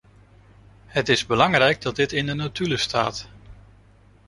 Het is belangrijk dat dit in de notulen staat.